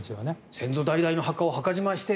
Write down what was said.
先祖代々の墓を墓じまいして。